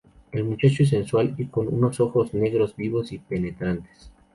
El muchacho es sensual y con unos ojos negros vivos y penetrantes.